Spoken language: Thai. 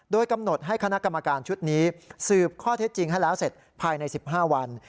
โดยกำหนดให้คณะกรรมการชุดนี้สืบข้อเท็จจริงให้แล้วเสร็จภายใน๑๕วัน